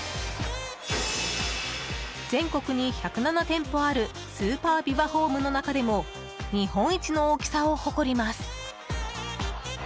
全国に１０７店舗あるスーパービバホームの中でも日本一の大きさを誇ります。